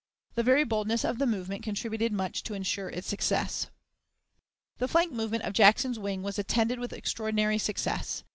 The very boldness of the movement contributed much to insure its success. "The flank movement of Jackson's wing was attended with extraordinary success.